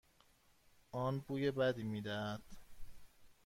آن بوی بدی میدهد.